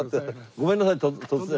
ごめんなさい突然。